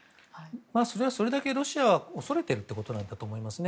それは、それだけロシアは恐れているということだと思いますね。